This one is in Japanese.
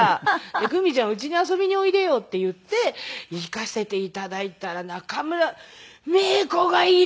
「クミちゃんうちに遊びにおいでよ」って言って行かせて頂いたら中村メイコがいる！